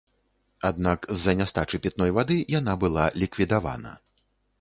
Аднак з-за нястачы пітной вады яна была ліквідавана.